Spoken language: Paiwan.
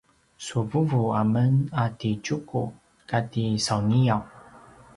su vuvu amen a ti Tjuku kati sauniaw